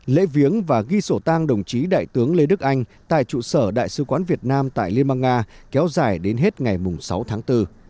lễ viếng và ghi sổ tang đồng chí đại tướng lê đức anh tại trụ sở đại sứ quán việt nam tại liên bang nga kéo dài đến hết ngày sáu tháng bốn